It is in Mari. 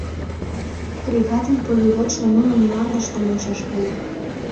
Бригадын полеводшо нунын мландыштым ончаш кая.